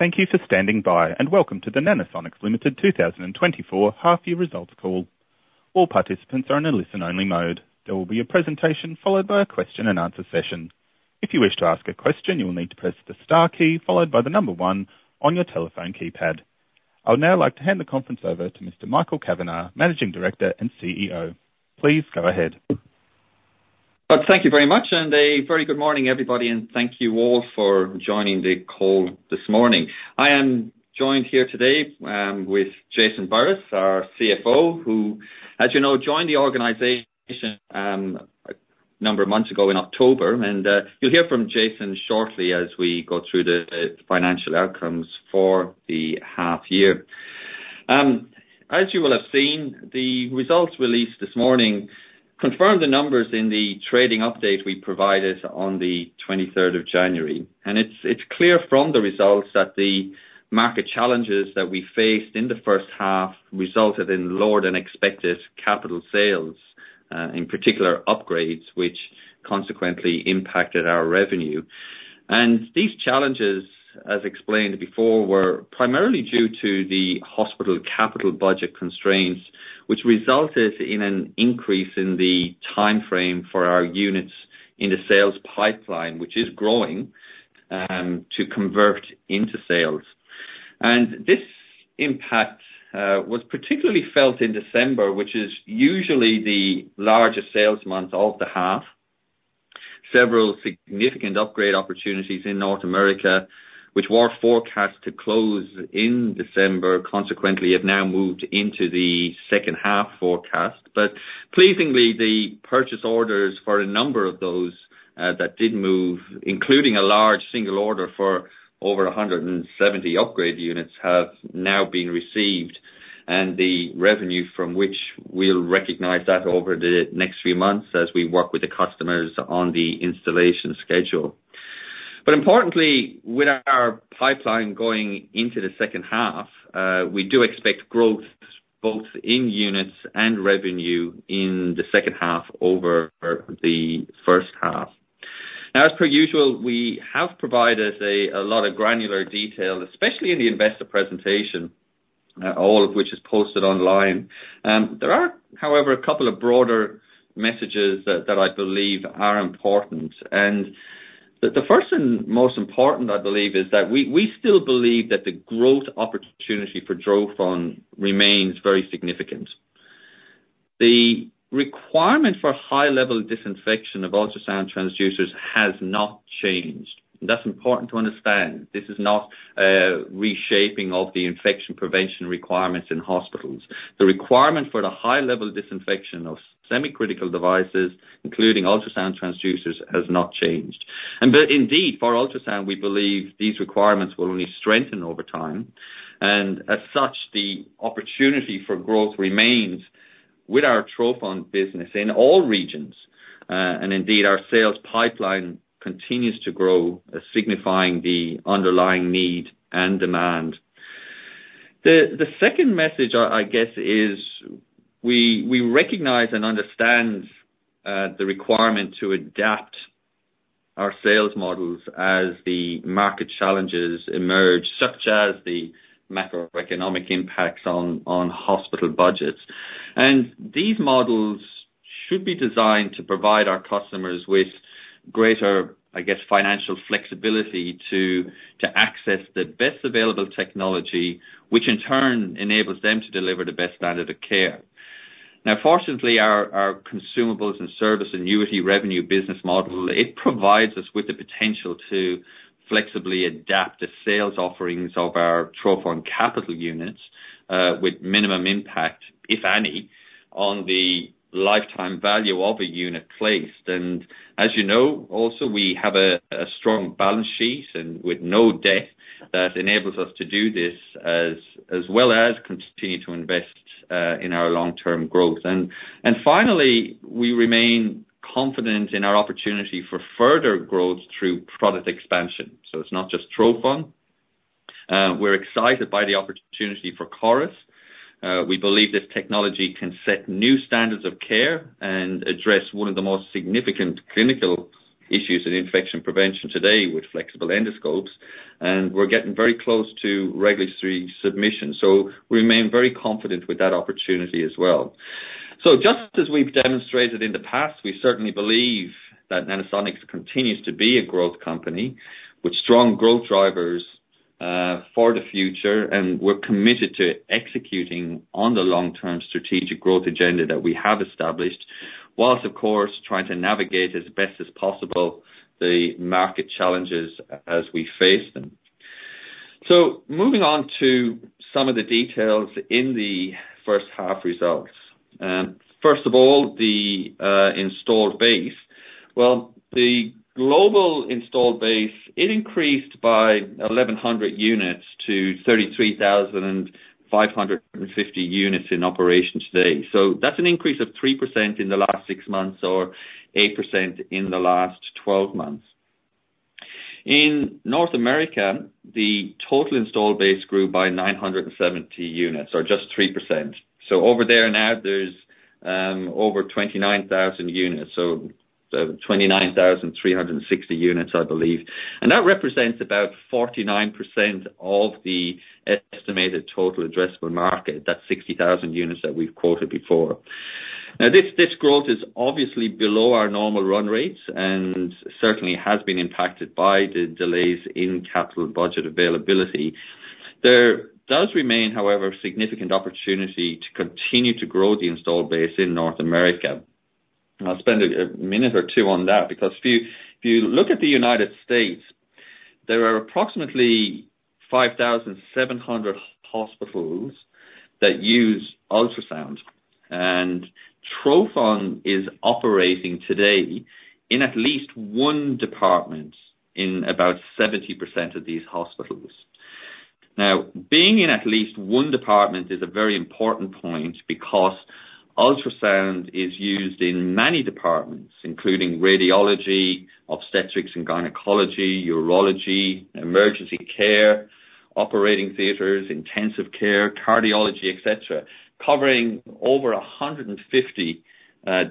Thank you for standing by, and welcome to the Nanosonics Limited 2024 Half Year Results Call. All participants are in a listen-only mode. There will be a presentation followed by a question-and-answer session. If you wish to ask a question, you will need to press the star key followed by the number 1one on your telephone keypad. I would now like to hand the conference over to Mr. Michael Kavanagh, Managing Director and CEO. Please go ahead. Thank you very much, and a very good morning, everybody, and thank you all for joining the call this morning. I am joined here today with Jason Burriss, our CFO, who, as you know, joined the organization a number of months ago in October. You'll hear from Jason shortly as we go through the financial outcomes for the half year. As you will have seen, the results released this morning confirmed the numbers in the trading update we provided on the 23rd of January. It's clear from the results that the market challenges that we faced in the first half resulted in lower than expected capital sales, in particular upgrades, which consequently impacted our revenue. These challenges, as explained before, were primarily due to the hospital capital budget constraints, which resulted in an increase in the timeframe for our units in the sales pipeline, which is growing, to convert into sales. This impact was particularly felt in December, which is usually the largest sales month of the half. Several significant upgrade opportunities in North America, which were forecast to close in December, consequently have now moved into the second half forecast. Pleasingly, the purchase orders for a number of those that did move, including a large single order for over 170 upgrade units, have now been received. The revenue from which we'll recognize that over the next few months as we work with the customers on the installation schedule. But importantly, with our pipeline going into the second half, we do expect growth both in units and revenue in the second half over the first half. Now, as per usual, we have provided a lot of granular detail, especially in the investor presentation, all of which is posted online. There are, however, a couple of broader messages that I believe are important. The first and most important, I believe, is that we still believe that the growth opportunity for Nanosonics remains very significant. The requirement for high-level disinfection of ultrasound transducers has not changed. That's important to understand. This is not a reshaping of the infection prevention requirements in hospitals. The requirement for the high-level disinfection of semi-critical devices, including ultrasound transducers, has not changed. But indeed, for ultrasound, we believe these requirements will only strengthen over time. As such, the opportunity for growth remains with our Trophon business in all regions. Indeed, our sales pipeline continues to grow, signifying the underlying need and demand. The second message, I guess, is we recognize and understand the requirement to adapt our sales models as the market challenges emerge, such as the macroeconomic impacts on hospital budgets. These models should be designed to provide our customers with greater, I guess, financial flexibility to access the best available technology, which in turn enables them to deliver the best standard of care. Now, fortunately, our consumables and service annuity revenue business model, it provides us with the potential to flexibly adapt the sales offerings of our Trophon capital units with minimum impact, if any, on the lifetime value of a unit placed. As you know, also, we have a strong balance sheet with no debt that enables us to do this, as well as continue to invest in our long-term growth. Finally, we remain confident in our opportunity for further growth through product expansion. It's not just trophon. We're excited by the opportunity for CORIS. We believe this technology can set new standards of care and address one of the most significant clinical issues in infection prevention today with flexible endoscopes. And we're getting very close to regulatory submission. So we remain very confident with that opportunity as well. So just as we've demonstrated in the past, we certainly believe that Nanosonics continues to be a growth company with strong growth drivers for the future. We're committed to executing on the long-term strategic growth agenda that we have established, while, of course, trying to navigate as best as possible the market challenges as we face them. Moving on to some of the details in the first half results. First of all, the installed base. Well, the global installed base, it increased by 1,100 units to 33,550 units in operation today. That's an increase of 3% in the last six months or 8% in the last 12 months. In North America, the total installed base grew by 970 units or just 3%. Over there now, there's over 29,000 units, so 29,360 units, I believe. That represents about 49% of the estimated total addressable market, that 60,000 units that we've quoted before. Now, this growth is obviously below our normal run rates and certainly has been impacted by the delays in capital budget availability. There does remain, however, significant opportunity to continue to grow the installed base in North America. I'll spend a minute or two on that because if you look at the United States, there are approximately 5,700 hospitals that use ultrasound. Trophon is operating today in at least one department in about 70% of these hospitals. Now, being in at least one department is a very important point because ultrasound is used in many departments, including radiology, obstetrics and gynecology, urology, emergency care, operating theatres, intensive care, cardiology, etc., covering over 150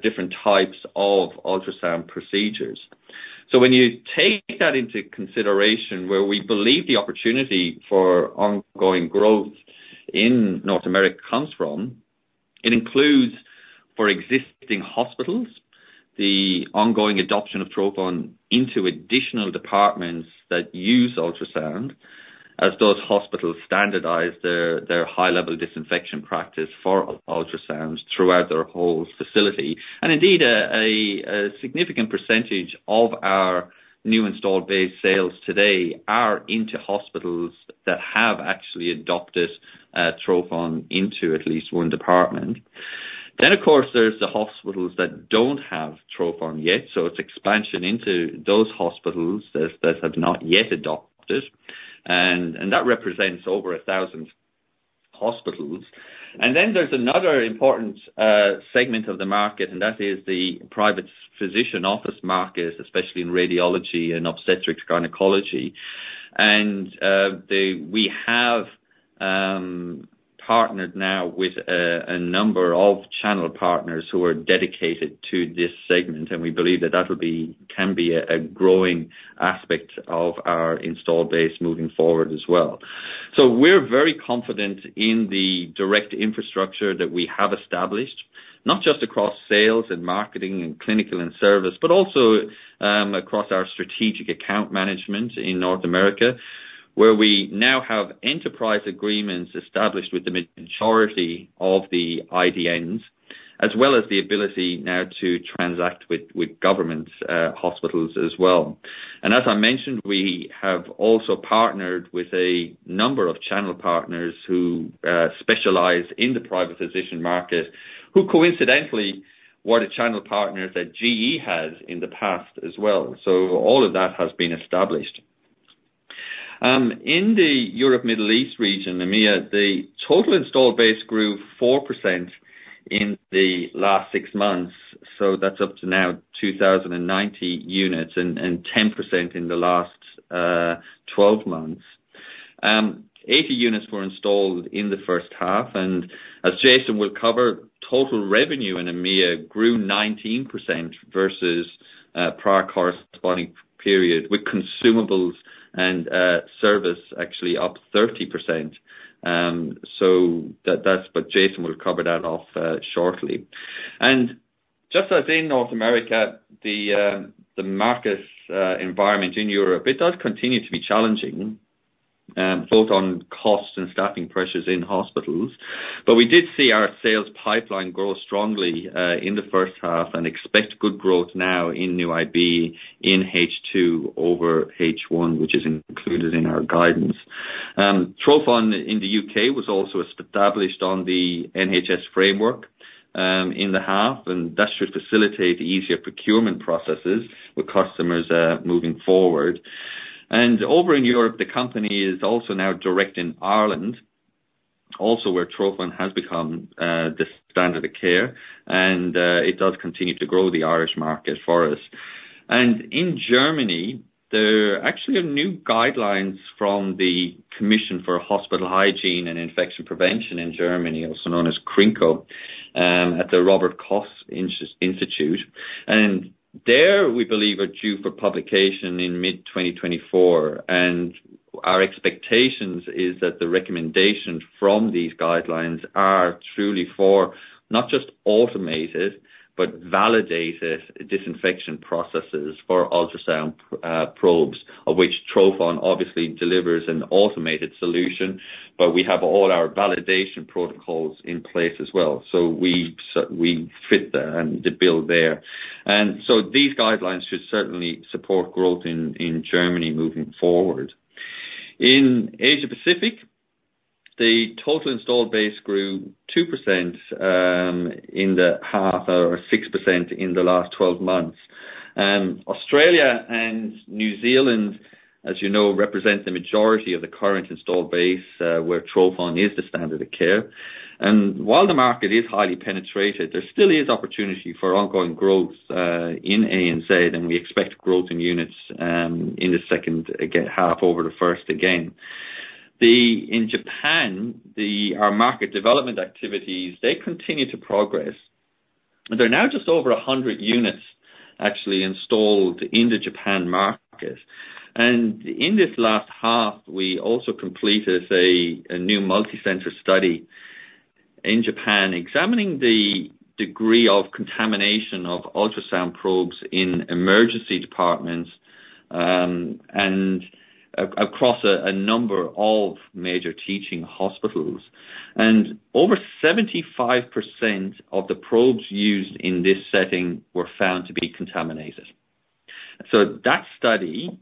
different types of ultrasound procedures. When you take that into consideration, where we believe the opportunity for ongoing growth in North America comes from, it includes, for existing hospitals, the ongoing adoption of Trophon into additional departments that use ultrasound, as those hospitals standardize their high-level disinfection practice for ultrasounds throughout their whole facility. Indeed, a significant percentage of our new installed base sales today are into hospitals that have actually adopted Trophon into at least one department. Then, of course, there's the hospitals that don't have Trophon yet. It's expansion into those hospitals that have not yet adopted. That represents over 1,000 hospitals. Then there's another important segment of the market, and that is the private physician office market, especially in radiology and obstetrics-gynecology. We have partnered now with a number of channel partners who are dedicated to this segment. We believe that that can be a growing aspect of our installed base moving forward as well. We're very confident in the direct infrastructure that we have established, not just across sales and marketing and clinical and service, but also across our strategic account management in North America, where we now have enterprise agreements established with the majority of the IDNs, as well as the ability now to transact with government hospitals as well. As I mentioned, we have also partnered with a number of channel partners who specialize in the private physician market, who coincidentally were the channel partners that GE has in the past as well. All of that has been established. In the Europe-Middle East region, EMEA, the total installed base grew 4% in the last six months. That's up to now 2,090 units and 10% in the last 12 months. 80 units were installed in the first half. As Jason will cover, total revenue in EMEA grew 19% versus prior corresponding period with consumables and service actually up 30%. Jason will cover that off shortly. Just as in North America, the market environment in Europe, it does continue to be challenging, both on cost and staffing pressures in hospitals. We did see our sales pipeline grow strongly in the first half and expect good growth now in new IB, in H2 over H1, which is included in our guidance. Trophon in the U.K. was also established on the NHS framework in the half. That should facilitate easier procurement processes with customers moving forward. Over in Europe, the company is also now direct in Ireland, also where Trophon has become the standard of care. It does continue to grow the Irish market for us. In Germany, there actually are new guidelines from the Commission for Hospital Hygiene and Infection Prevention in Germany, also known as KRINKO, at the Robert Koch Institute. There, we believe, are due for publication in mid-2024. Our expectations is that the recommendations from these guidelines are truly for not just automated but validated disinfection processes for ultrasound probes, of which Trophon obviously delivers an automated solution. But we have all our validation protocols in place as well. We fit and build there. These guidelines should certainly support growth in Germany moving forward. In Asia-Pacific, the total installed base grew 2% in the half or 6% in the last 12 months. Australia and New Zealand, as you know, represent the majority of the current installed base, where Trophon is the standard of care. While the market is highly penetrated, there still is opportunity for ongoing growth in ANZ. We expect growth in units in the second half over the first again. In Japan, our market development activities, they continue to progress. There are now just over 100 units actually installed in the Japan market. In this last half, we also completed a new multi-center study in Japan examining the degree of contamination of ultrasound probes in emergency departments and across a number of major teaching hospitals. Over 75% of the probes used in this setting were found to be contaminated. That study,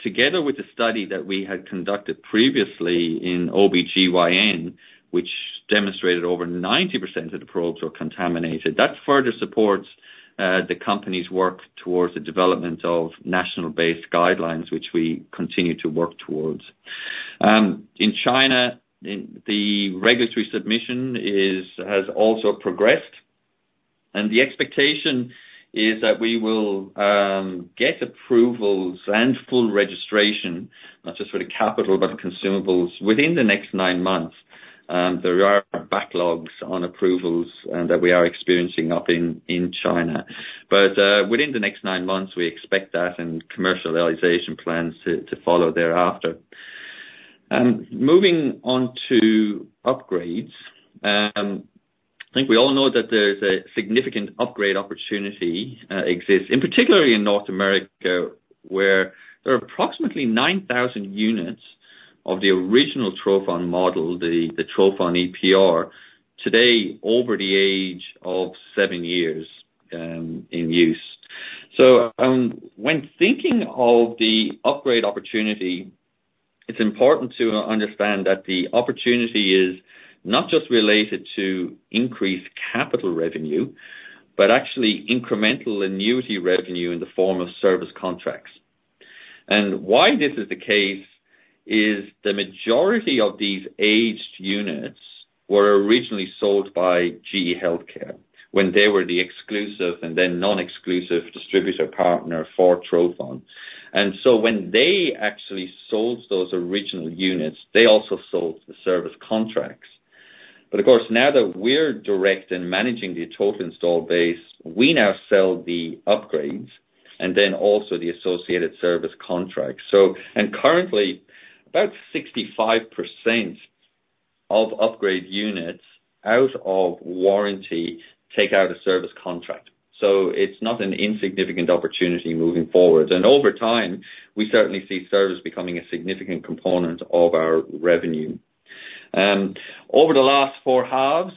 together with the study that we had conducted previously in OBGYN, which demonstrated over 90% of the probes were contaminated, further supports the company's work towards the development of national-based guidelines, which we continue to work towards. In China, the regulatory submission has also progressed. The expectation is that we will get approvals and full registration, not just for the capital but consumables, within the next 9 months. There are backlogs on approvals that we are experiencing up in China. But within the next 9 months, we expect that and commercialization plans to follow thereafter. Moving on to upgrades, I think we all know that there's a significant upgrade opportunity exists, in particular in North America, where there are approximately 9,000 units of the original trophon model, the trophon EPR, today over the age of seven years in use. So when thinking of the upgrade opportunity, it's important to understand that the opportunity is not just related to increased capital revenue but actually incremental annuity revenue in the form of service contracts. Why this is the case is the majority of these aged units were originally sold by GE Healthcare when they were the exclusive and then non-exclusive distributor partner for trophon. When they actually sold those original units, they also sold the service contracts. But of course, now that we're direct and managing the total installed base, we now sell the upgrades and then also the associated service contracts. Currently, about 65% of upgrade units out of warranty take out a service contract. It's not an insignificant opportunity moving forward. Over time, we certainly see service becoming a significant component of our revenue. Over the last four halves,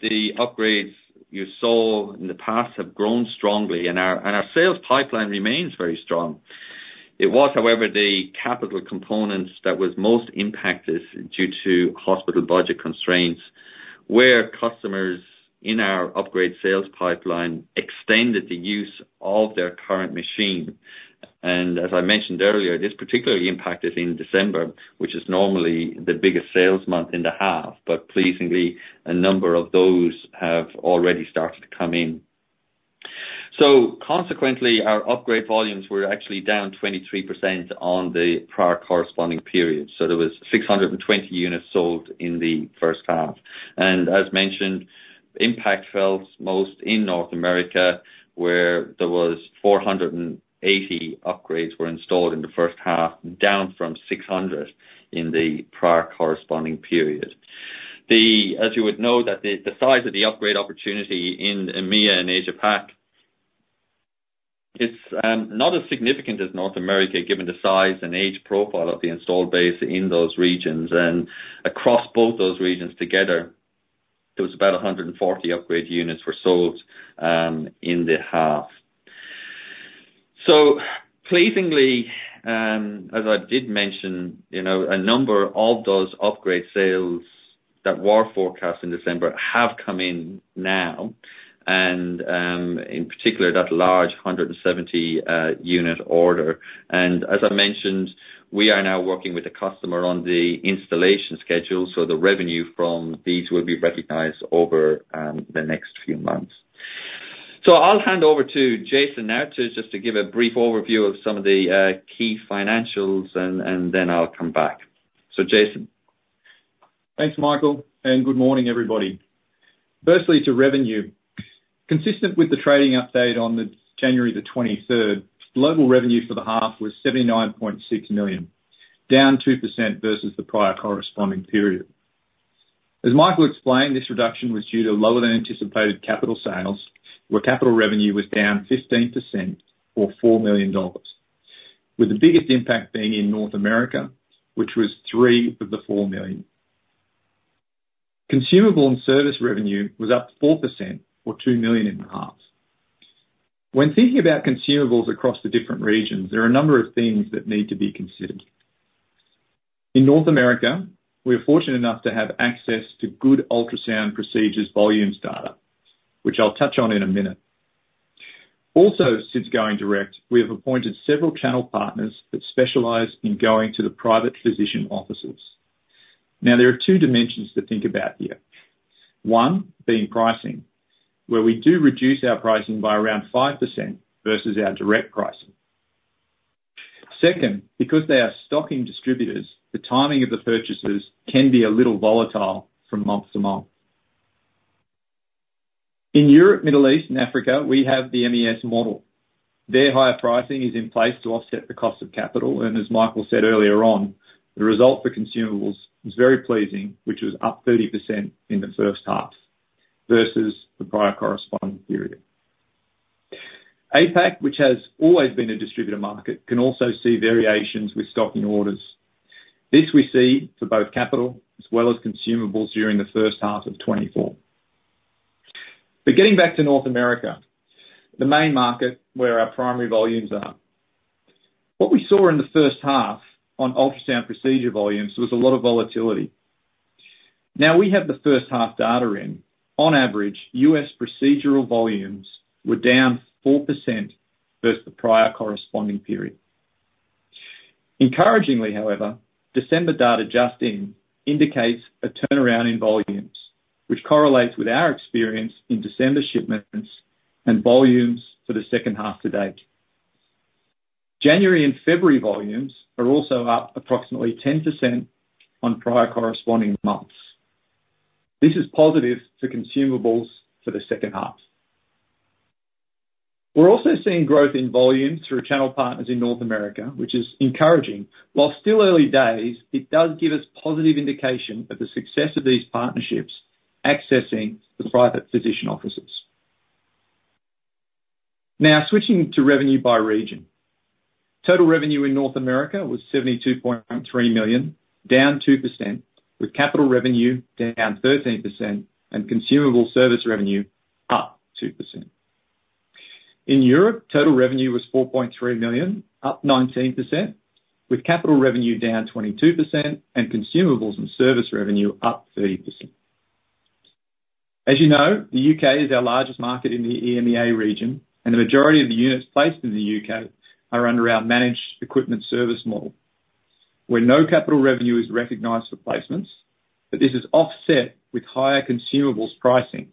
the upgrades you saw in the past have grown strongly. Our sales pipeline remains very strong. It was, however, the capital component that was most impacted due to hospital budget constraints where customers in our upgrade sales pipeline extended the use of their current machine. As I mentioned earlier, this particularly impacted in December, which is normally the biggest sales month in the half. Pleasingly, a number of those have already started to come in. Consequently, our upgrade volumes were actually down 23% on the prior corresponding period. There was 620 units sold in the first half. As mentioned, impact felt most in North America, where there was 480 upgrades installed in the first half, down from 600 in the prior corresponding period. As you would know, the size of the upgrade opportunity in EMEA and Asia-Pac is not as significant as North America given the size and age profile of the installed base in those regions. Across both those regions together, there was about 140 upgrade units sold in the half. Pleasingly, as I did mention, a number of those upgrade sales that were forecast in December have come in now, and in particular, that large 170-unit order. As I mentioned, we are now working with the customer on the installation schedule. The revenue from these will be recognized over the next few months. I'll hand over to Jason now just to give a brief overview of some of the key financials. Then I'll come back. Jason. Thanks, Michael. Good morning, everybody. Firstly, to revenue. Consistent with the trading update on January 23rd, global revenue for the half was 79.6 million, down 2% versus the prior corresponding period. As Michael explained, this reduction was due to lower-than-anticipated capital sales, where capital revenue was down 15% or $4 million, with the biggest impact being in North America, which was $3 million of the $4 million. Consumable and service revenue was up 4% or $2 million in the half. When thinking about consumables across the different regions, there are a number of things that need to be considered. In North America, we are fortunate enough to have access to good ultrasound procedures volumes data, which I'll touch on in a minute. Also, since going direct, we have appointed several channel partners that specialize in going to the private physician offices. Now, there are two dimensions to think about here. One being pricing, where we do reduce our pricing by around 5% versus our direct pricing. Second, because they are stocking distributors, the timing of the purchases can be a little volatile from month to month. In Europe, Middle East, and Africa, we have the MES model. Their higher pricing is in place to offset the cost of capital. As Michael said earlier on, the result for consumables was very pleasing, which was up 30% in the first half versus the prior corresponding period. APAC, which has always been a distributor market, can also see variations with stocking orders. This we see for both capital as well as consumables during the H1 2024. But getting back to North America, the main market where our primary volumes are. What we saw in the first half on ultrasound procedure volumes was a lot of volatility. Now, we have the first half data in. On average, U.S. procedural volumes were down 4% versus the prior corresponding period. Encouragingly, however, December data just in indicates a turnaround in volumes, which correlates with our experience in December shipments and volumes for the second half to date. January and February volumes are also up approximately 10% on prior corresponding months. This is positive for consumables for the second half. We're also seeing growth in volume through channel partners in North America, which is encouraging. While still early days, it does give us positive indication of the success of these partnerships accessing the private physician offices. Now, switching to revenue by region. Total revenue in North America was 72.3 million, down 2%, with capital revenue down 13% and consumable service revenue up 2%. In Europe, total revenue was 4.3 million, up 19%, with capital revenue down 22% and consumables and service revenue up 30%. As you know, the UK is our largest market in the EMEA region. The majority of the units placed in the UK are under our managed equipment service model, where no capital revenue is recognized for placements. This is offset with higher consumables pricing,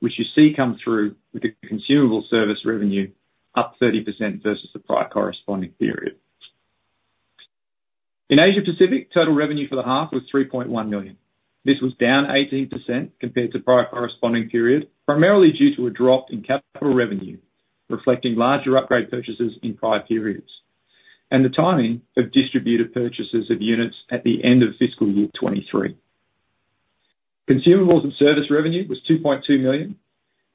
which you see come through with the consumable service revenue up 30% versus the prior corresponding period. In Asia-Pacific, total revenue for the half was 3.1 million. This was down 18% compared to prior corresponding period, primarily due to a drop in capital revenue reflecting larger upgrade purchases in prior periods and the timing of distributor purchases of units at the end of fiscal year 2023. Consumables and service revenue was 2.2 million,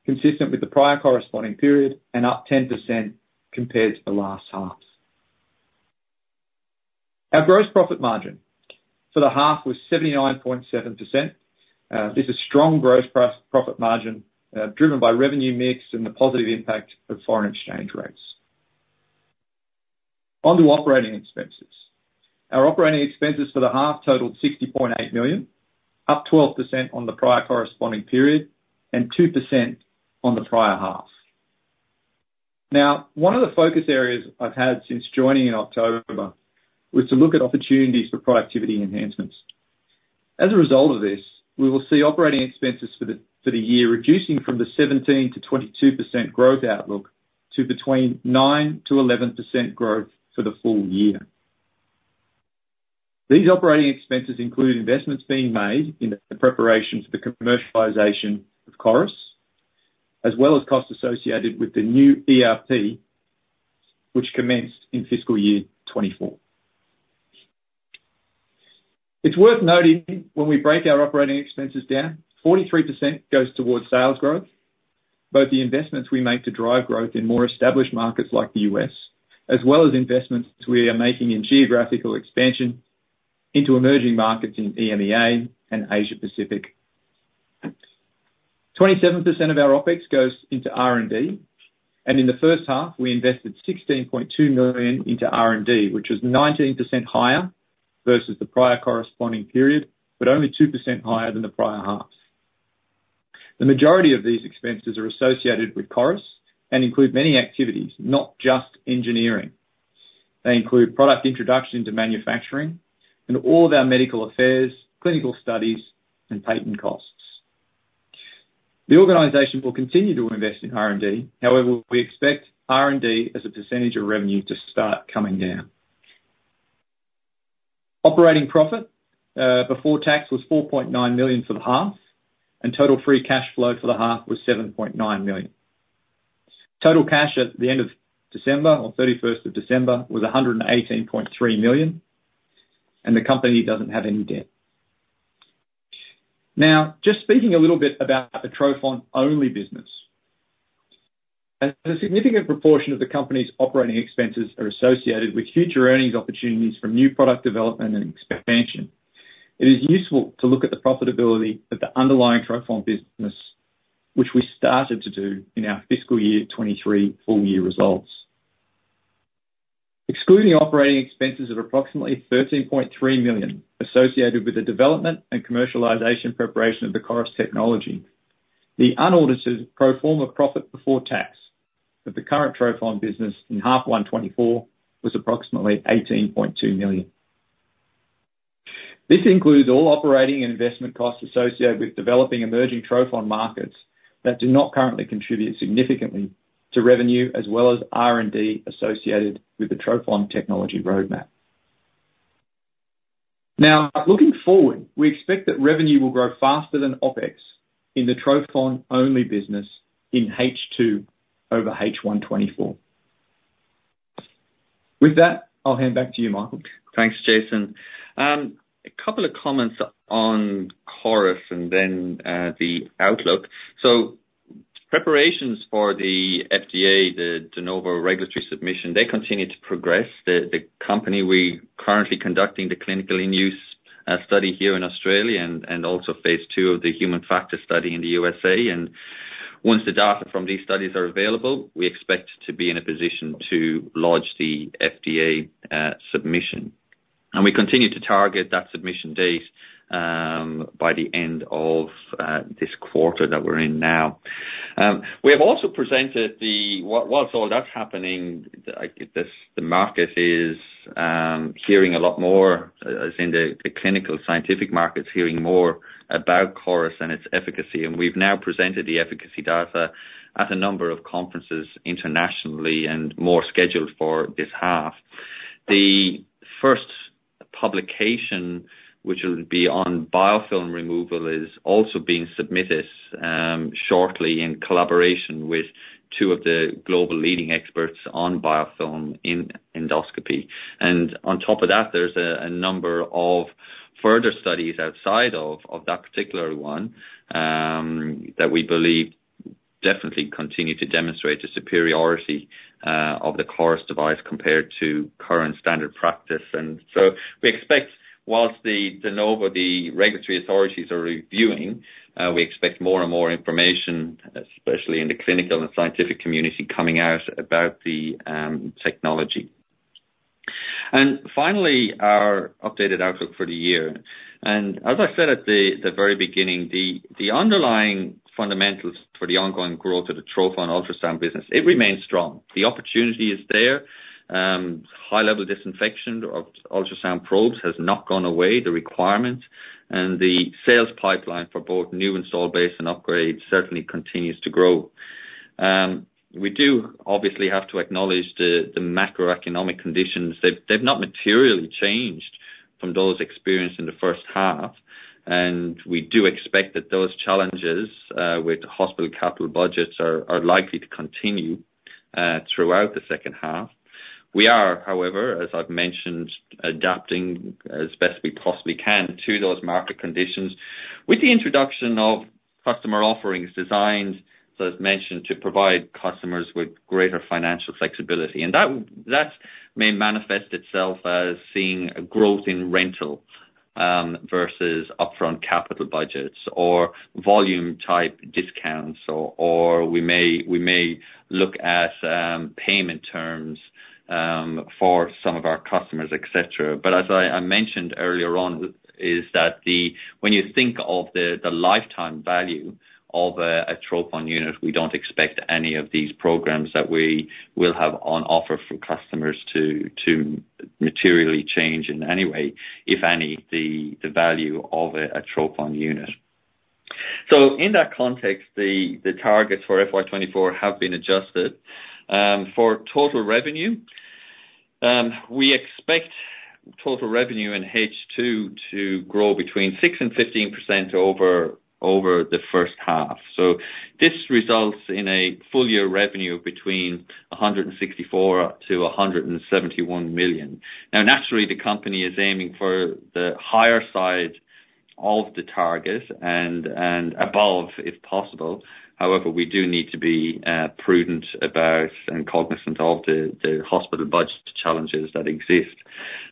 consistent with the prior corresponding period and up 10% compared to the last half. Our gross profit margin for the half was 79.7%. This is strong gross profit margin driven by revenue mix and the positive impact of foreign exchange rates. Onto operating expenses. Our operating expenses for the half totaled 60.8 million, up 12% on the prior corresponding period and 2% on the prior half. Now, one of the focus areas I've had since joining in October was to look at opportunities for productivity enhancements. As a result of this, we will see operating expenses for the year reducing from the 17%-22% growth outlook to between 9%-11% growth for the full year. These operating expenses include investments being made in the preparation for the commercialization of CORIS as well as costs associated with the new ERP, which commenced in fiscal year 2024. It's worth noting, when we break our operating expenses down, 43% goes towards sales growth, both the investments we make to drive growth in more established markets like the U.S. as well as investments we are making in geographical expansion into emerging markets in EMEA and Asia-Pacific. 27% of our OpEx goes into R&D. In the first half, we invested 16.2 million into R&D, which was 19% higher versus the prior corresponding period but only 2% higher than the prior half. The majority of these expenses are associated with CORIS and include many activities, not just engineering. They include product introduction to manufacturing and all of our medical affairs, clinical studies, and patent costs. The organization will continue to invest in R&D. However, we expect R&D as a percentage of revenue to start coming down. Operating profit before tax was 4.9 million for the half. Total free cash flow for the half was 7.9 million. Total cash at the end of December or 31st of December was 118.3 million. The company doesn't have any debt. Now, just speaking a little bit about the trophon-only business. As a significant proportion of the company's operating expenses are associated with future earnings opportunities from new product development and expansion, it is useful to look at the profitability of the underlying trophon business, which we started to do in our fiscal year 2023 full-year results. Excluding operating expenses of approximately 13.3 million associated with the development and commercialization preparation of the CORIS technology, the unaudited pro forma profit before tax of the current trophon business in half 1/2024 was approximately 18.2 million. This includes all operating and investment costs associated with developing emerging trophon markets that do not currently contribute significantly to revenue as well as R&D associated with the trophon technology roadmap. Now, looking forward, we expect that revenue will grow faster than OpEx in the trophon-only business in H2 over H1/24. With that, I'll hand back to you, Michael. Thanks, Jason. A couple of comments on CORIS and then the outlook. Preparations for the FDA, the De Novo regulatory submission, they continue to progress. The company, we're currently conducting the clinically in use study here in Australia and also phase two of the human factor study in the USA. Once the data from these studies are available, we expect to be in a position to launch the FDA submission. We continue to target that submission date by the end of this quarter that we're in now. We have also presented. Whilst all that's happening, the market is hearing a lot more as in the clinical scientific market's hearing more about CORIS and its efficacy. We've now presented the efficacy data at a number of conferences internationally and more scheduled for this half. The first publication, which will be on biofilm removal, is also being submitted shortly in collaboration with two of the global leading experts on biofilm in endoscopy. On top of that, there's a number of further studies outside of that particular one that we believe definitely continue to demonstrate the superiority of the CORIS device compared to current standard practice. We expect, whilst the De Novo, the regulatory authorities are reviewing, we expect more and more information, especially in the clinical and scientific community, coming out about the technology. Finally, our updated outlook for the year. As I said at the very beginning, the underlying fundamentals for the ongoing growth of the Trophon ultrasound business, it remains strong. The opportunity is there. High-Level Disinfection of ultrasound probes has not gone away, the requirements. The sales pipeline for both new installed base and upgrades certainly continues to grow. We do obviously have to acknowledge the macroeconomic conditions. They've not materially changed from those experienced in the first half. We do expect that those challenges with hospital capital budgets are likely to continue throughout the second half. We are, however, as I've mentioned, adapting as best we possibly can to those market conditions with the introduction of customer offerings designed, as I've mentioned, to provide customers with greater financial flexibility. That may manifest itself as seeing a growth in rental versus upfront capital budgets or volume-type discounts. Or we may look at payment terms for some of our customers, etc. But as I mentioned earlier on, is that when you think of the lifetime value of a trophon unit, we don't expect any of these programs that we will have on offer for customers to materially change in any way, if any, the value of a trophon unit. In that context, the targets for FY24 have been adjusted. For total revenue, we expect total revenue in H2 to grow between 6% and 15% over the first half. this results in a full-year revenue between 164 million-171 million. Now, naturally, the company is aiming for the higher side of the targets and above, if possible. However, we do need to be prudent about and cognizant of the hospital budget challenges that exist.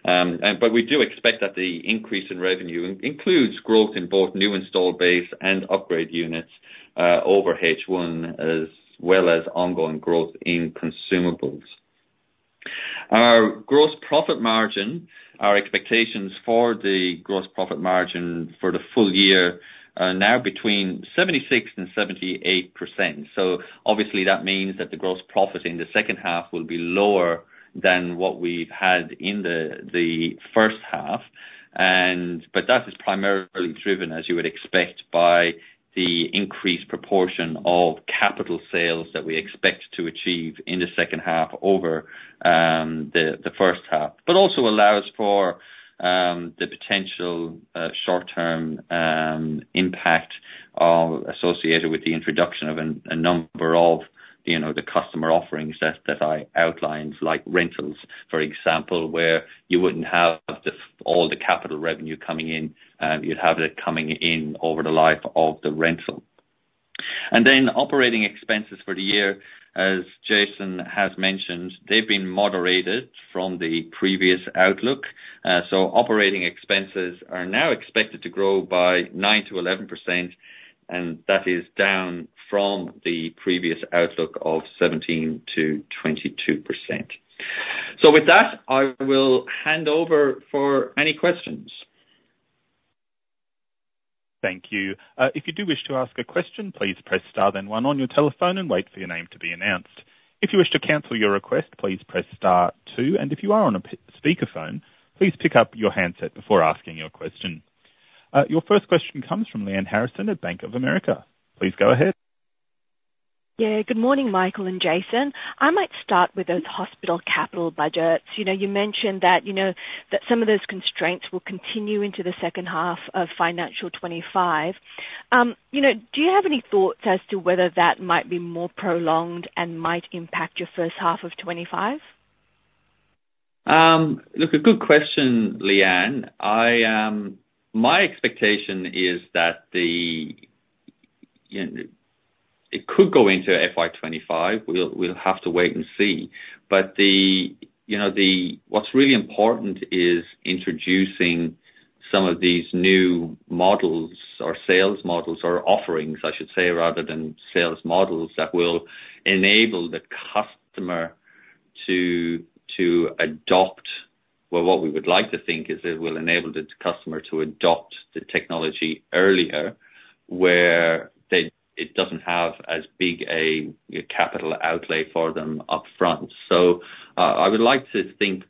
But we do expect that the increase in revenue includes growth in both new install base and upgrade units over H1 as well as ongoing growth in consumables. Our gross profit margin, our expectations for the gross profit margin for the full year are now between 76%-78%. So obviously, that means that the gross profit in the second half will be lower than what we've had in the first half. But that is primarily driven, as you would expect, by the increased proportion of capital sales that we expect to achieve in the second half over the first half but also allows for the potential short-term impact associated with the introduction of a number of the customer offerings that I outlined, like rentals, for example, where you wouldn't have all the capital revenue coming in. You'd have it coming in over the life of the rental. Then operating expenses for the year, as Jason has mentioned, they've been moderated from the previous outlook. Operating expenses are now expected to grow by 9%-11%. That is down from the previous outlook of 17%-22%. With that, I will hand over for any questions. Thank you. If you do wish to ask a question, please press star then one on your telephone and wait for your name to be announced. If you wish to cancel your request, please press star two. If you are on a speakerphone, please pick up your handset before asking your question. Your first question comes from Lyanne Harrison at Bank of America. Please go ahead. Yeah. Good morning, Michael and Jason. I might start with those hospital capital budgets. You mentioned that some of those constraints will continue into the second half of financial 2025. Do you have any thoughts as to whether that might be more prolonged and might impact your first half of 2025? Look, a good question, Leanne. My expectation is that it could go into FY25. We'll have to wait and see. But what's really important is introducing some of these new models or sales models or offerings, I should say, rather than sales models, that will enable the customer to adopt well, what we would like to think is it will enable the customer to adopt the technology earlier where it doesn't have as big a capital outlay for them upfront. I would like to think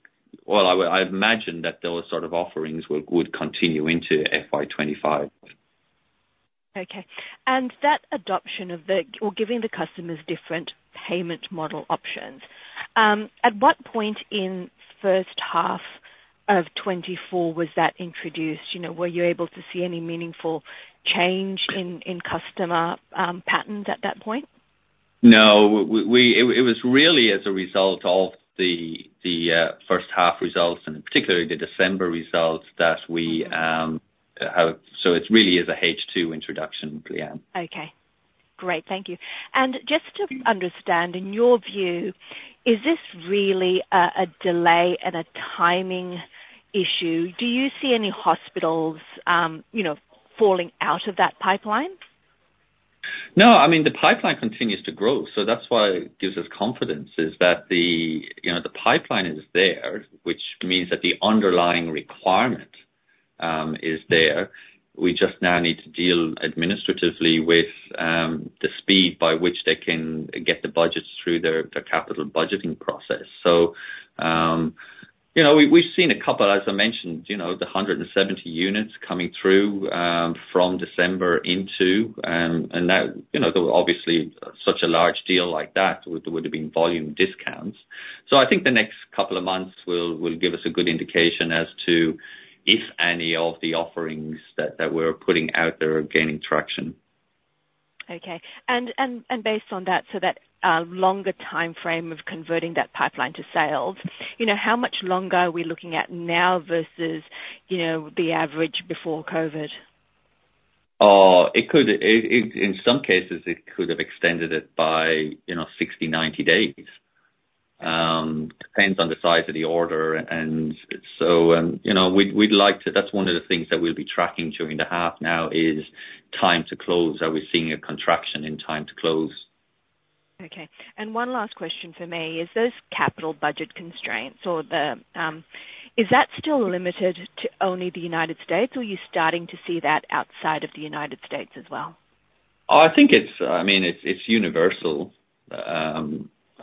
well, I imagine that those sort of offerings would continue into FY25. Okay. that adoption of giving the customers different payment model options, at what point in first half of 2024 was that introduced? Were you able to see any meaningful change in customer patterns at that point? No. It was really as a result of the first half results and particularly the December results that we have, so it really is a H2 introduction, Lyanne. Okay. Great. Thank you. Just to understand, in your view, is this really a delay and a timing issue? Do you see any hospitals falling out of that pipeline? No. I mean, the pipeline continues to grow. that's why it gives us confidence, is that the pipeline is there, which means that the underlying requirement is there. We just now need to deal administratively with the speed by which they can get the budgets through their capital budgeting process. we've seen a couple, as I mentioned, the 170 units coming through from December into. Obviously, such a large deal like that would have been volume discounts. I think the next couple of months will give us a good indication as to if any of the offerings that we're putting out there are gaining traction. Okay. Based on that, so that longer timeframe of converting that pipeline to sales, how much longer are we looking at now versus the average before COVID? In some cases, it could have extended it by 60-90 days. Depends on the size of the order. We'd like to that's one of the things that we'll be tracking during the half now is time to close. Are we seeing a contraction in time to close? Okay. One last question for me is those capital budget constraints or the is that still limited to only the United States? Or are you starting to see that outside of the United States as well? I mean, it's universal.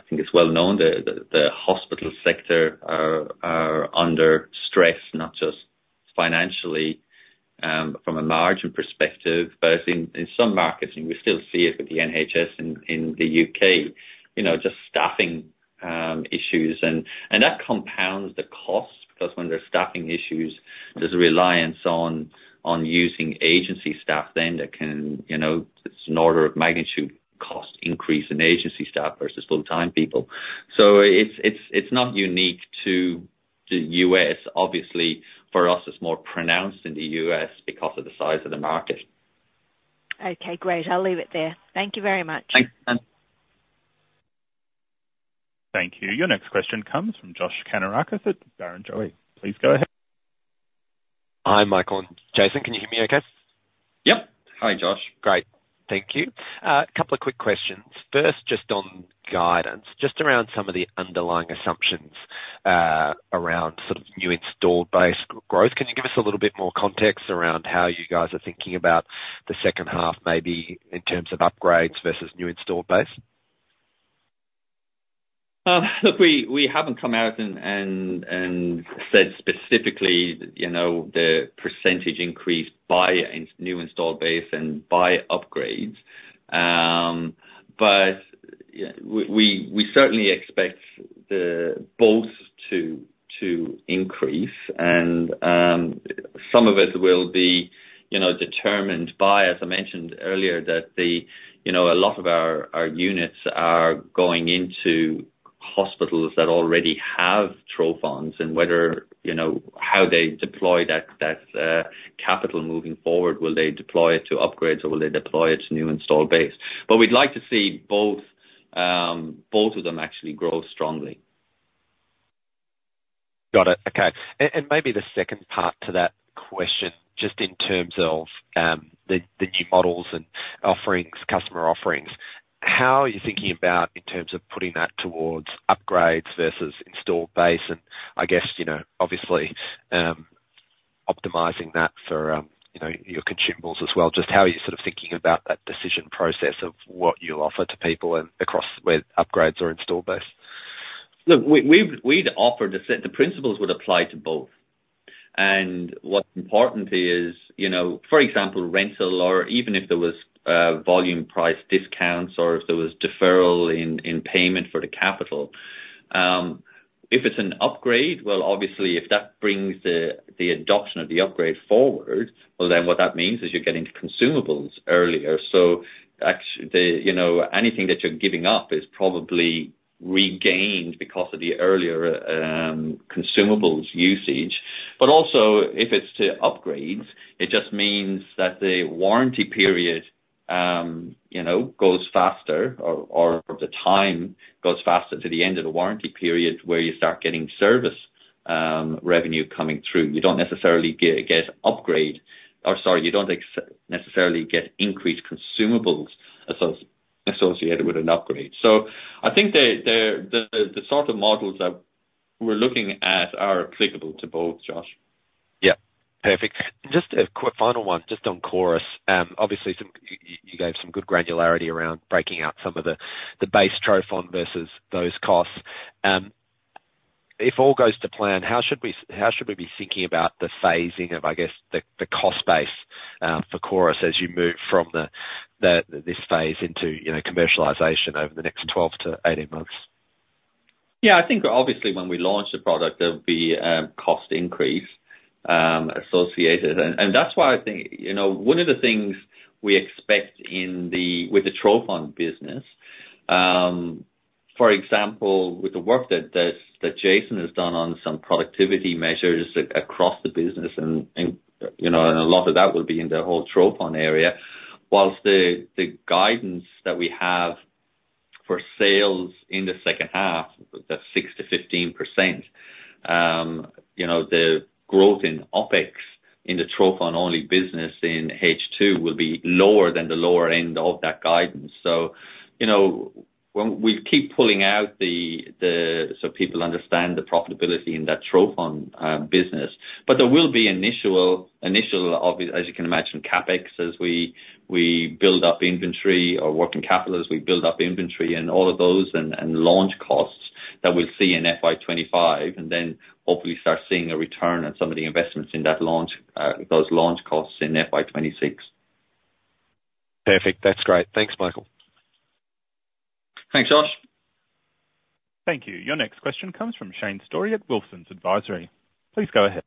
I think it's well known. The hospital sector are under stress, not just financially from a margin perspective. I think in some markets, and we still see it with the NHS in the U.K, just staffing issues. That compounds the cost because when there's staffing issues, there's a reliance on using agency staff then that can it's an order of magnitude cost increase in agency staff versus full-time people. It's not unique to the U.S. Obviously, for us, it's more pronounced in the U.S because of the size of the market. Okay. Great. I'll leave it there. Thank you very much. Thanks, Lyanne. Thank you. Your next question comes from Josh Kannourakis at Barrenjoey. Please go ahead. Hi, Michael. Jason, can you hear me okay? Yep. Hi, Josh. Great. Thank you. A couple of quick questions. First, just on guidance, just around some of the underlying assumptions around sort of new install base growth, can you give us a little bit more context around how you guys are thinking about the second half maybe in terms of upgrades versus new install base? Look, we haven't come out and said specifically the percentage increase by new installed base and by upgrades. But we certainly expect both to increase. ome of it will be determined by, as I mentioned earlier, that a lot of our units are going into hospitals that already have trophon and how they deploy that capital moving forward. Will they deploy it to upgrades, or will they deploy it to new installed base? But we'd like to see both of them actually grow strongly. Got it. Okay. Maybe the second part to that question just in terms of the new models and customer offerings, how are you thinking about in terms of putting that towards upgrades versus installed base and, I guess, obviously, optimizing that for your consumables as well? Just how are you sort of thinking about that decision process of what you'll offer to people with upgrades or installed base? Look, we'd offer to set the principles would apply to both. What's important is, for example, rental or even if there was volume price discounts or if there was deferral in payment for the capital, if it's an upgrade, well, obviously, if that brings the adoption of the upgrade forward, well, then what that means is you're getting consumables earlier. Anything that you're giving up is probably regained because of the earlier consumables usage. But also, if it's to upgrades, it just means that the warranty period goes faster or the time goes faster to the end of the warranty period where you start getting service revenue coming through. You don't necessarily get upgrade or sorry, you don't necessarily get increased consumables associated with an upgrade. I think the sort of models that we're looking at are applicable to both, Josh. Yeah. Perfect. Just a quick final one just on CORIS. Obviously, you gave some good granularity around breaking out some of the base trophon versus those costs. If all goes to plan, how should we be thinking about the phasing of, I guess, the cost base for CORIS as you move from this phase into commercialization over the next 12-18 months? Yeah. I think, obviously, when we launch the product, there'll be cost increase associated. That's why I think one of the things we expect with the Trophon business, for example, with the work that Jason has done on some productivity measures across the business - and a lot of that will be in the whole Trophon area - while the guidance that we have for sales in the second half, that's 6%-15%, the growth in OpEx in the Trophon-only business in H2 will be lower than the lower end of that guidance. We'll keep pulling out so people understand the profitability in that Trophon business. But there will be initial, as you can imagine, CapEx as we build up inventory or working capital as we build up inventory and all of those and launch costs that we'll see in FY25 and then hopefully start seeing a return on some of the investments in those launch costs in FY26. Perfect. That's great. Thanks, Michael. Thanks, Josh. Thank you. Your next question comes from Shane Storey at Wilsons Advisory. Please go ahead.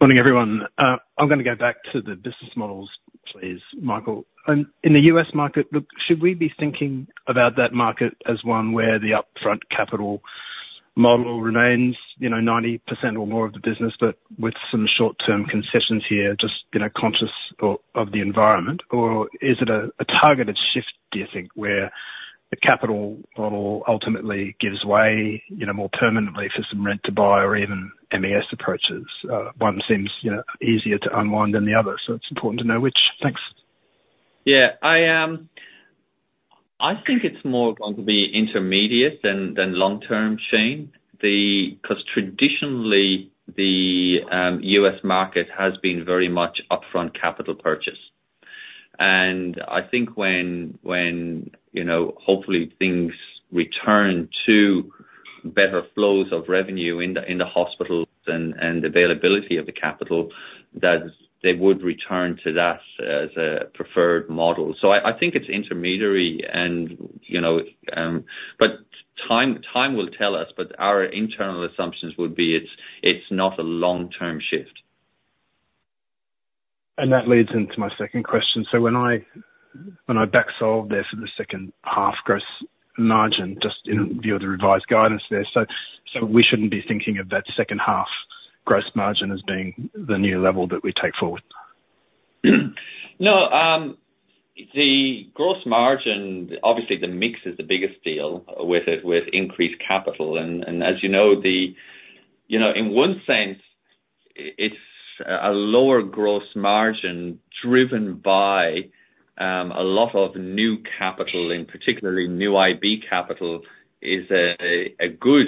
Good morning, everyone. I'm going to go back to the business models, please, Michael. In the U.S. market, look, should we be thinking about that market as one where the upfront capital model remains 90% or more of the business but with some short-term concessions here, just conscious of the environment? Or is it a targeted shift, do you think, where the capital model ultimately gives way more permanently for some rent-to-buy or even MES approaches? One seems easier to unwind than the other. It's important to know which. Thanks. Yeah. I think it's more going to be interim than long-term, Shane, because traditionally, the U.S market has been very much upfront capital purchase. I think when, hopefully, things return to better flows of revenue in the hospitals and availability of the capital, they would return to that as a preferred model. I think it's interim. Time will tell us. Our internal assumptions would be it's not a long-term shift. That leads into my second question. When I backsolve this at the second half gross margin, just in view of the revised guidance there, so we shouldn't be thinking of that second half gross margin as being the new level that we take forward? No. The gross margin, obviously, the mix is the biggest deal with increased capital. As you know, in one sense, it's a lower gross margin driven by a lot of new capital, and particularly new IB capital, is a good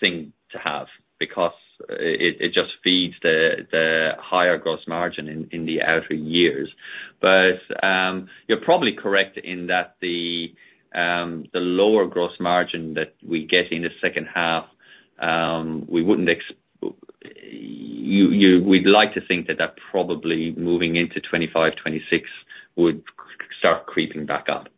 thing to have because it just feeds the higher gross margin in the outer years. But you're probably correct in that the lower gross margin that we get in the second half, we'd like to think that that probably moving into 2025, 2026 would start creeping back up.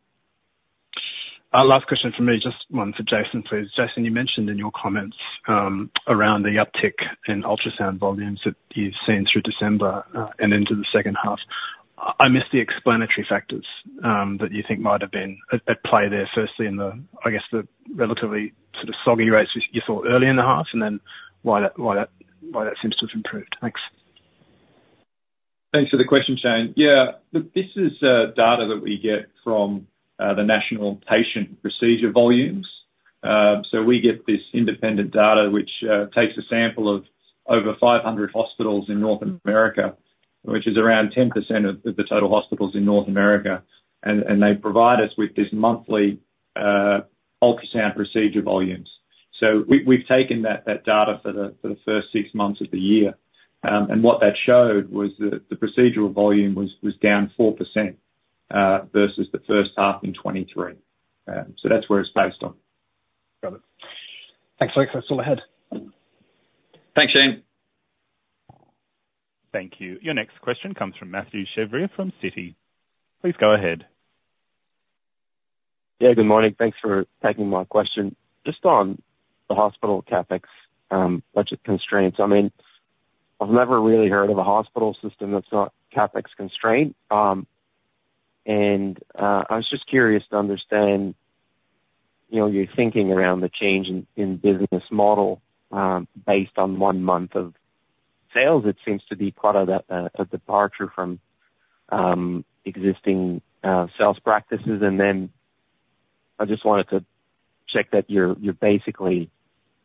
Last question from me, just one for Jason, please. Jason, you mentioned in your comments around the uptick in ultrasound volumes that you've seen through December and into the second half. I missed the explanatory factors that you think might have been at play there, firstly, in, I guess, the relatively sort of soggy rates you saw early in the half and then why that seems to have improved. Thanks. Thanks for the question, Shane. Yeah. Look, this is data that we get from the National Patient Procedure Volumes. We get this independent data which takes a sample of over 500 hospitals in North America, which is around 10% of the total hospitals in North America. They provide us with these monthly ultrasound procedure volumes. We've taken that data for the first six months of the year. What that showed was that the procedural volume was down 4% versus the first half in 2023.That's where it's based on. Got it. Thanks, Jason. That's all ahead. Thanks, Shane. Thank you. Your next question comes from Mathieu Chevrier from Citi. Please go ahead. Yeah. Good morning. Thanks for taking my question. Just on the hospital CapEx budget constraints, I mean, I've never really heard of a hospital system that's not CapEx constrained. I was just curious to understand your thinking around the change in business model based on one month of sales. It seems to be part of that, a departure from existing sales practices. then I just wanted to check that you're basically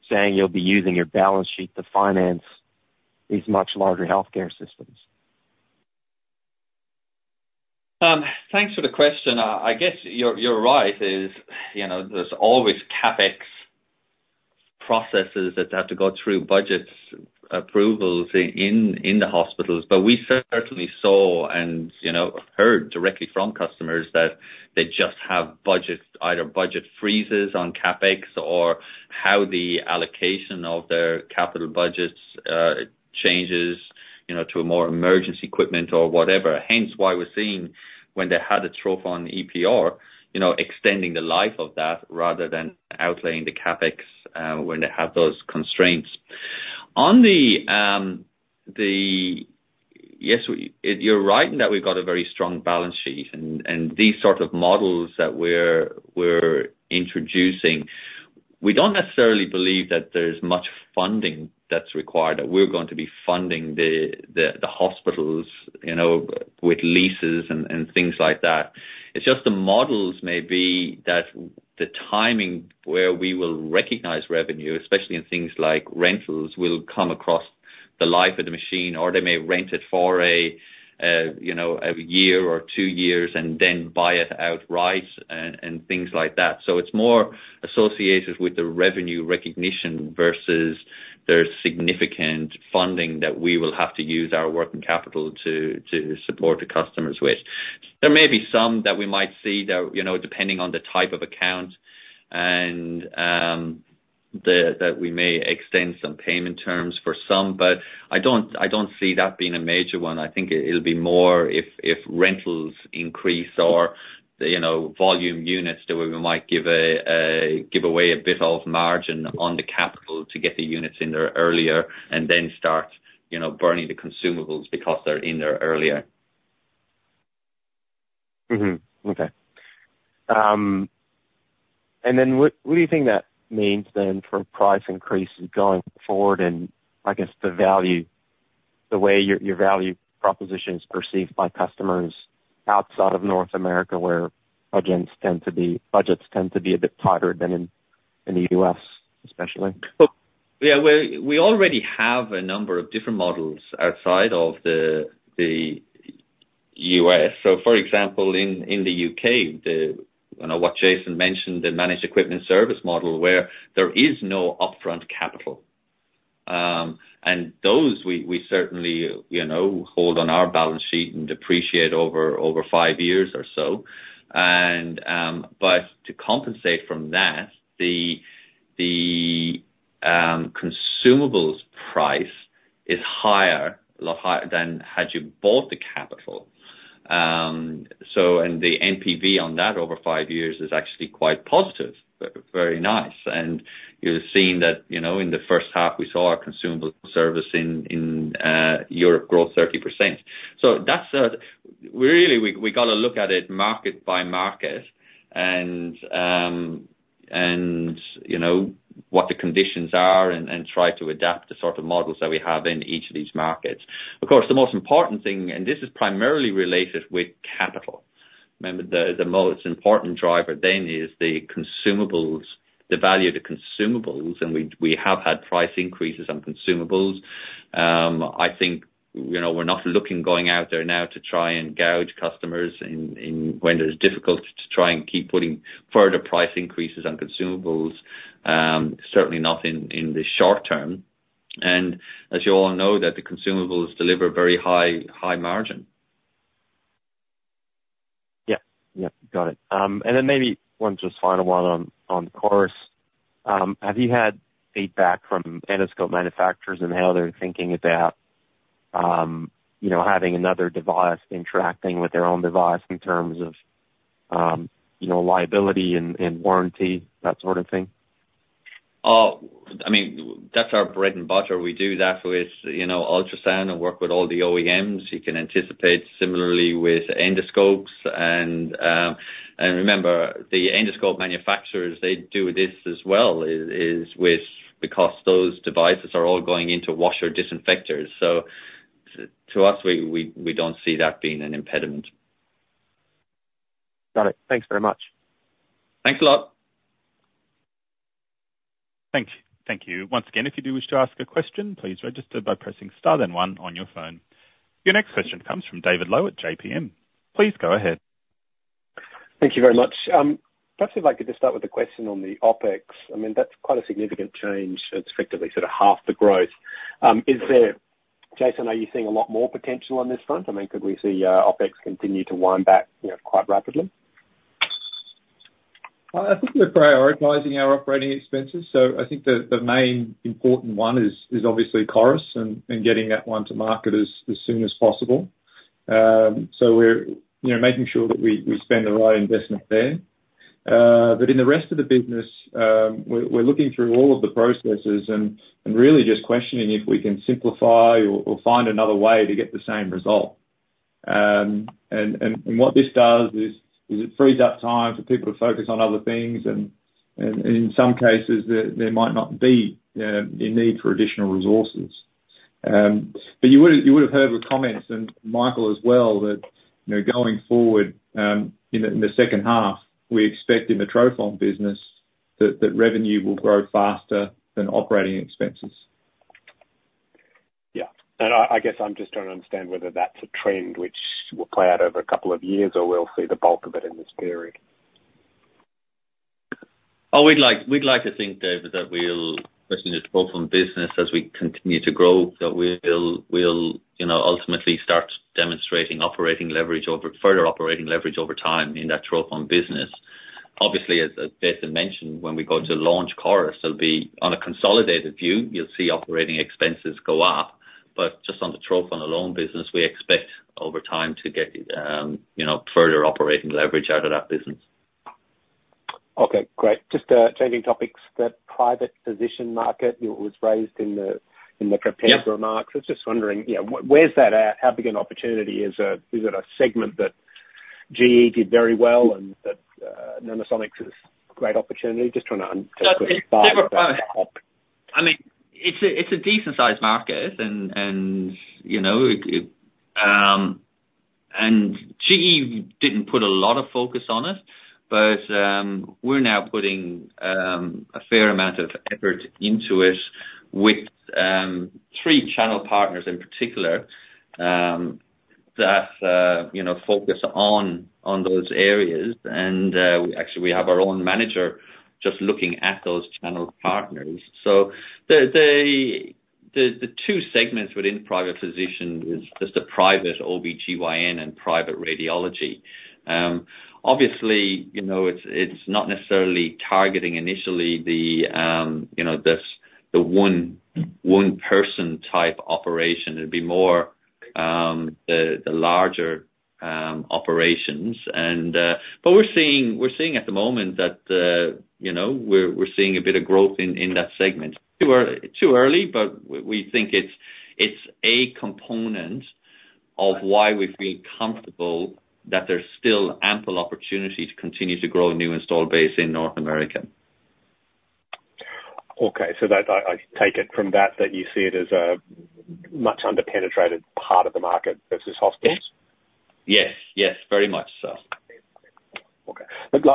saying you'll be using your balance sheet to finance these much larger healthcare systems. Thanks for the question. I guess you're right. There's always CapEx processes that have to go through budget approvals in the hospitals. But we certainly saw and heard directly from customers that they just have either budget freezes on CapEx or how the allocation of their capital budgets changes to more emergency equipment or whatever. Hence why we're seeing, when they had a trophon EPR, extending the life of that rather than outlaying the CapEx when they have those constraints. Yes, you're right in that we've got a very strong balance sheet. These sort of models that we're introducing, we don't necessarily believe that there's much funding that's required, that we're going to be funding the hospitals with leases and things like that. It's just the models may be that the timing where we will recognize revenue, especially in things like rentals, will come across the life of the machine. Or they may rent it for a year or two years and then buy it outright and things like that. It's more associated with the revenue recognition versus there's significant funding that we will have to use our working capital to support the customers with. There may be some that we might see depending on the type of account and that we may extend some payment terms for some. I don't see that being a major one. I think it'll be more if rentals increase or volume units that we might give away a bit of margin on the capital to get the units in there earlier and then start burning the consumables because they're in there earlier. Okay. Then what do you think that means then for price increases going forward and, I guess, the way your value proposition is perceived by customers outside of North America where budgets tend to be a bit tighter than in the US especially? Look, yeah. We already have a number of different models outside of the U.S. For example, in the U.K, what Jason mentioned, the managed equipment service model where there is no upfront capital. Those we certainly hold on our balance sheet and depreciate over five years or so. But to compensate from that, the consumables price is a lot higher than had you bought the capital. The NPV on that over five years is actually quite positive, very nice. You're seeing that in the first half, we saw our consumable service in Europe grow 30%. Really, we've got to look at it market by market and what the conditions are and try to adapt the sort of models that we have in each of these markets. Of course, the most important thing and this is primarily related with capital. Remember, the most important driver then is the value of the consumables. We have had price increases on consumables. I think we're not looking going out there now to try and gouge customers when there's difficulty to try and keep putting further price increases on consumables, certainly not in the short term. As you all know, that the consumables deliver very high margin. Yeah. Yeah. Got it. Then maybe one just final one on CORIS. Have you had feedback from endoscope manufacturers and how they're thinking about having another device interacting with their own device in terms of liability and warranty, that sort of thing? I mean, that's our bread and butter. We do that with ultrasound and work with all the OEMs. You can anticipate similarly with endoscopes. Remember, the endoscope manufacturers, they do this as well because those devices are all going into washer disinfectors. To us, we don't see that being an impediment. Got it. Thanks very much. Thanks a lot. Thank you. Thank you. Once again, if you do wish to ask a question, please register by pressing star then one on your phone. Your next question comes from David Lowe at JPM. Please go ahead. Thank you very much. Perhaps if I could just start with a question on the OpEx. I mean, that's quite a significant change. It's effectively sort of half the growth. Jason, are you seeing a lot more potential on this front? I mean, could we see OpEx continue to wind back quite rapidly? Well, I think we're prioritizing our operating expenses. I think the main important one is obviously CORIS and getting that one to market as soon as possible. We're making sure that we spend the right investment there. But in the rest of the business, we're looking through all of the processes and really just questioning if we can simplify or find another way to get the same result. What this does is it frees up time for people to focus on other things. In some cases, there might not be a need for additional resources. But you would have heard the comments, and Michael as well, that going forward in the second half, we expect in the Trophon business that revenue will grow faster than operating expenses. Yeah. I guess I'm just trying to understand whether that's a trend which will play out over a couple of years or we'll see the bulk of it in this period. We'd like to think, David, that we'll first in the trophon business, as we continue to grow, that we'll ultimately start demonstrating further operating leverage over time in that trophon business. Obviously, as Jason mentioned, when we go to launch CORIS, it'll be on a consolidated view. You'll see operating expenses go up. But just on the trophon alone business, we expect over time to get further operating leverage out of that business. Okay. Great. Just changing topics, that private physician market was raised in the prepared remarks. I was just wondering, where's that at? How big an opportunity is it? Is it a segment that GE did very well and that Nanosonics is a great opportunity? Just trying to take a quick start. I mean, it's a decent-sized market. GE didn't put a lot of focus on it. We're now putting a fair amount of effort into it with three channel partners in particular that focus on those areas. Actually, we have our own manager just looking at those channel partners. The two segments within private physician is just the private OB-GYN and private radiology. Obviously, it's not necessarily targeting initially the one-person type operation. It'd be more the larger operations. We're seeing at the moment that we're seeing a bit of growth in that segment. Too early, but we think it's a component of why we feel comfortable that there's still ample opportunity to continue to grow a new installed base in North America. Okay. I take it from that that you see it as a much under-penetrated part of the market versus hospitals. Yes. Yes. Yes, very much so. Okay.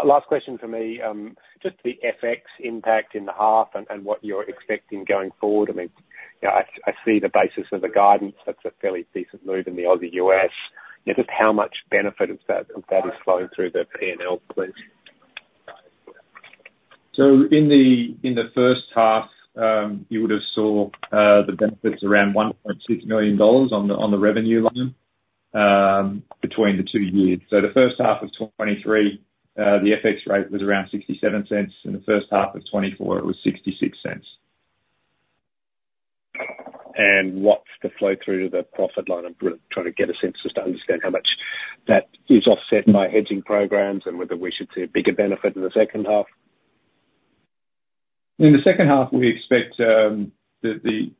Last question for me, just the FX impact in the half and what you're expecting going forward. I mean, I see the basis of the guidance. That's a fairly decent move in the Aussie-US. Just how much benefit of that is flowing through the P&L, please? In the first half, you would have saw the benefits around 1.6 million dollars on the revenue line between the two years. The first half of 2023, the FX rate was around 67 cents. In the first half of 2024, it was 0.66. What's the flow-through to the profit line? I'm trying to get a sense just to understand how much that is offset by hedging programs and whether we should see a bigger benefit in the second half. In the second half, we expect the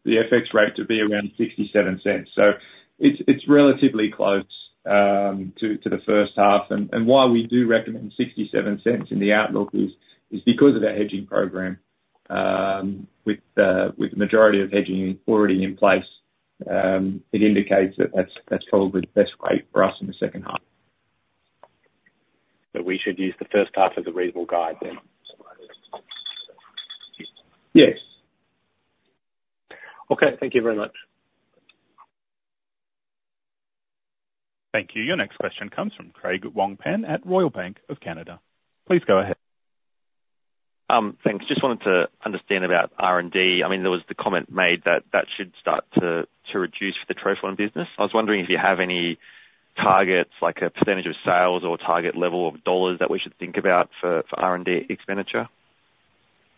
FX rate to be around 0.67. It's relatively close to the first half. Why we do recommend 0.67 in the outlook is because of our hedging program. With the majority of hedging already in place, it indicates that that's probably the best rate for us in the second half. We should use the first half as a reasonable guide then? Yes. Okay. Thank you very much. Thank you. Your next question comes from Craig Wong-Pan at Royal Bank of Canada. Please go ahead. Thanks. Just wanted to understand about R&D. I mean, there was the comment made that that should start to reduce for the Trophon business. I was wondering if you have any targets, like a percentage of sales or target level of dollars that we should think about for R&D expenditure?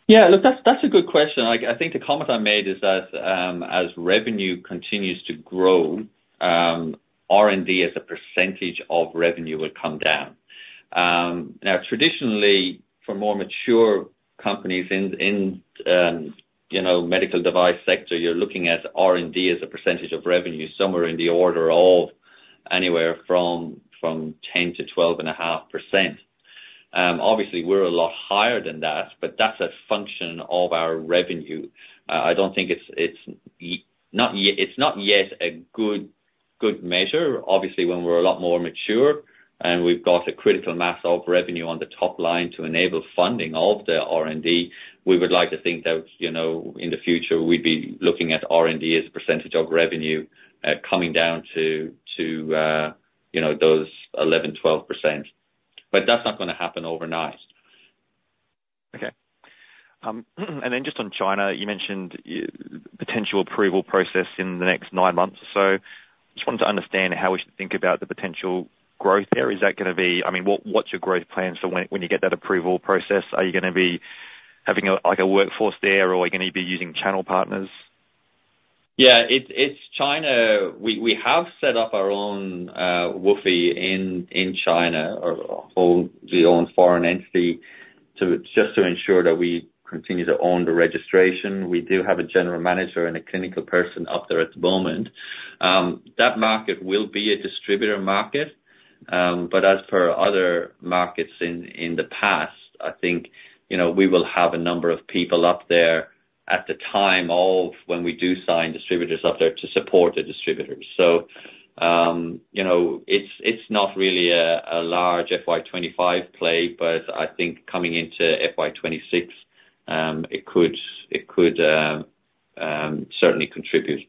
Yeah. Look, that's a good question. I think the comment I made is that as revenue continues to grow, R&D as a percentage of revenue will come down. Now, traditionally, for more mature companies in the medical device sector, you're looking at R&D as a percentage of revenue somewhere in the order of anywhere from 10%-12.5%. Obviously, we're a lot higher than that, but that's a function of our revenue. I don't think it's not yet a good measure. Obviously, when we're a lot more mature and we've got a critical mass of revenue on the top line to enable funding of the R&D, we would like to think that in the future, we'd be looking at R&D as a percentage of revenue coming down to those 11%-12%. But that's not going to happen overnight. Okay. Then just on China, you mentioned potential approval process in the next nine months or so. I just wanted to understand how we should think about the potential growth there. Is that going to be? I mean, what's your growth plans for when you get that approval process? Are you going to be having a workforce there or are you going to be using channel partners? Yeah. We have set up our own WFOE in China or wholly owned foreign entity just to ensure that we continue to own the registration. We do have a general manager and a clinical person up there at the moment. That market will be a distributor market. But as per other markets in the past, I think we will have a number of people up there at the time of when we do sign distributors up there to support the distributors. So it's not really a large FY25 play, but I think coming into FY26, it could certainly contribute.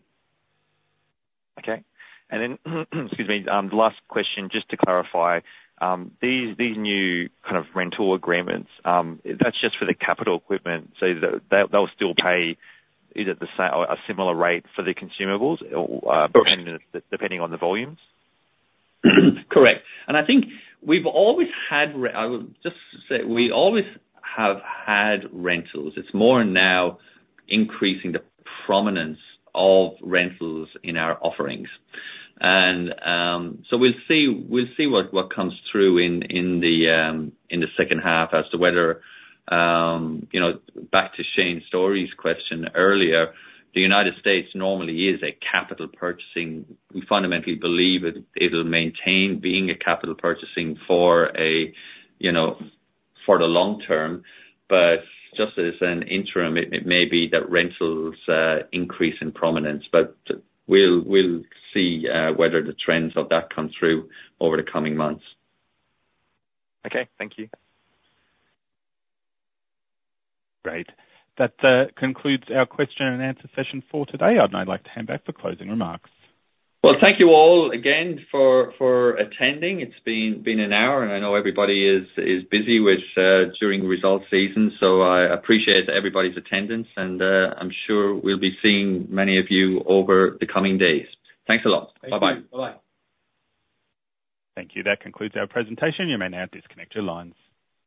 Okay. Then excuse me, the last question just to clarify, these new kind of rental agreements, that's just for the capital equipment. They'll still pay either a similar rate for the consumables depending on the volumes? Correct. I think we've always had. I would just say we always have had rentals. It's more now increasing the prominence of rentals in our offerings. We'll see what comes through in the second half as to whether, back to Shane Storey's question earlier, the United States normally is a capital purchasing. We fundamentally believe it'll maintain being a capital purchasing for the long term. But just as an interim, it may be that rentals increase in prominence. But we'll see whether the trends of that come through over the coming months. Okay. Thank you. Great. That concludes our question and answer session for today. Uncertain, I'd like to hand back for closing remarks. Well, thank you all again for attending. It's been an hour, and I know everybody is busy during results season. I appreciate everybody's attendance. I'm sure we'll be seeing many of you over the coming days. Thanks a lot. Bye-bye. Thank you. Bye-bye. Thank you. That concludes our presentation. You may now disconnect your lines.